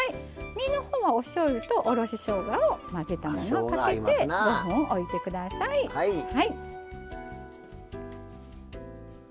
身のほうはおしょうゆとおろししょうがを混ぜたものをかけて５分おいてください。